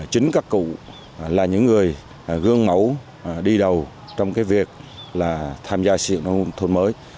chính các cụ là những người gương mẫu đi đầu trong cái việc là tham gia sự nông thuần mới